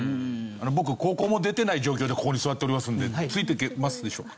僕高校も出てない状況でここに座っておりますのでついていけますでしょうか？